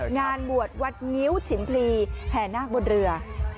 งานบวชวัดงิ้วฉิมพลีแห่นาคบนเรือ